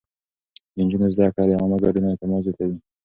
د نجونو زده کړه د عامه ګډون اعتماد زياتوي.